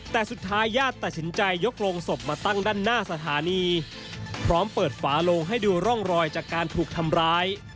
แต่สุดท้ายญาติตัดสินใจยกโรงศพมาตั้งด้านหน้าสถานีพร้อมเปิดฝาโลงให้ดูร่องรอยจากการถูกทำร้าย